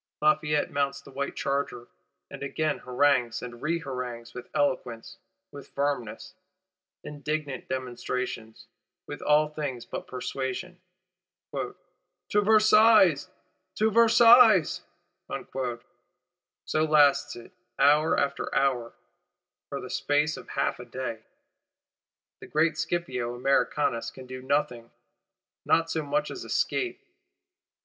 Lafayette mounts the white charger; and again harangues and reharangues: with eloquence, with firmness, indignant demonstration; with all things but persuasion. 'To Versailles! To Versailles!' So lasts it, hour after hour; for the space of half a day. The great Scipio Americanus can do nothing; not so much as escape.